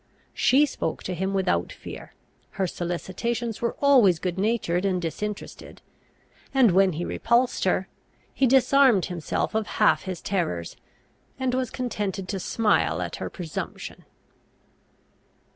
She spoke to him without fear; her solicitations were always good natured and disinterested; and when he repulsed her, he disarmed himself of half his terrors, and was contented to smile at her presumption.